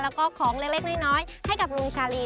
แล้วก็ของเล็กน้อยให้กับลุงชาลี